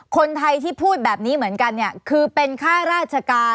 คนไทยที่พูดแบบนี้เหมือนกันเนี่ยคือเป็นค่าราชการ